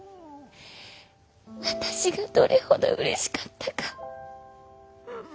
私がどれほどうれしかったか。